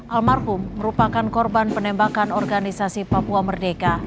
almarhum merupakan korban penembakan organisasi papua merdeka